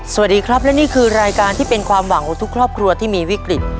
สวัสดีครับและนี่คือรายการที่เป็นความหวังของทุกครอบครัวที่มีวิกฤต